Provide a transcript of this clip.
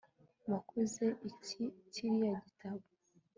wakoze iki kiriya gitabo